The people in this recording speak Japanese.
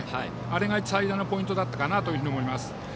あれが最大のポイントだったと思います。